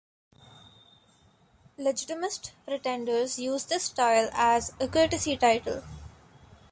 Legitimist pretenders use this style as a courtesy title.